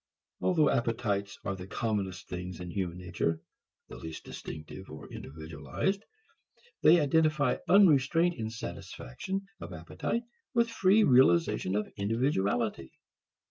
Although appetites are the commonest things in human nature, the least distinctive or individualized, they identify unrestraint in satisfaction of appetite with free realization of individuality.